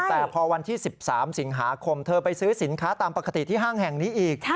แต่พอวันที่๑๓สิงหาคมเธอไปซื้อสินค้าตามปกติที่ห้างแห่งนี้อีก